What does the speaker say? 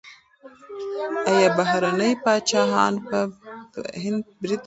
ایا بهرني پاچاهان به پر هند برید وکړي؟